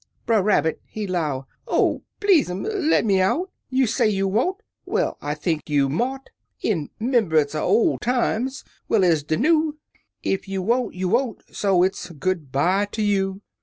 Brer Rabbit he 'low, " Oh, please, 'm, le' me outi You say you won't ? Well, I think you mought. In 'membunce er ol' times, well ez de new; Ef you won't you won't, so it's good by ter you